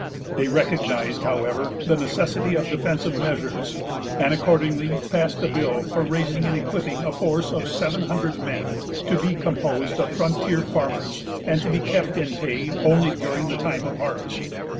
They recognized, however, the necessity of defensive measures, and accordingly passed a bill for raising and equipping a force of seven hundred men, to be composed of frontier farmers, and to be kept in pay only during the time of harvest.